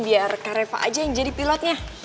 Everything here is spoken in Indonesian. biar kareva aja yang jadi pilotnya